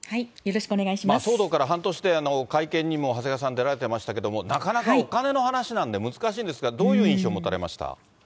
騒動から半年で会見にも長谷川さん、出られてましたけど、なかなかお金の話なんで、難しいんですが、どういう印象を持たれました？